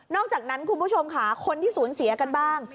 อกจากนั้นคุณผู้ชมค่ะคนที่สูญเสียกันบ้าง